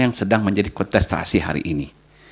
yang sedang menjadi kontestasi hari ini